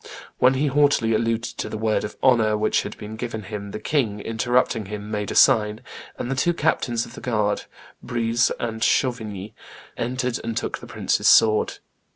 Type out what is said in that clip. When he haughtily alluded to the word of honor which had been given him, the king, interrupting him, made a sign; and the two captains of the guard, Breze and Chavigny, entered and took the prince's sword.